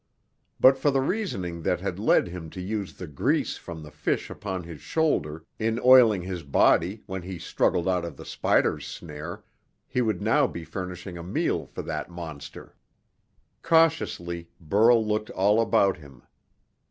But for the reasoning that had led him to use the grease from the fish upon his shoulder in oiling his body when he struggled out of the spider's snare, he would now be furnishing a meal for that monster. Cautiously, Burl looked all about him.